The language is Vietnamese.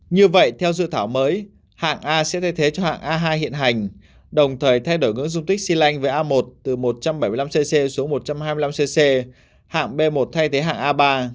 như vậy theo dự thảo mới hạng a sẽ thay thế cho hạng a hai hiện hành đồng thời thay đổi ngưỡng du tích xy lanh với a một từ một trăm bảy mươi năm cc xuống một trăm hai mươi năm cc hạng b một thay thế hạng a ba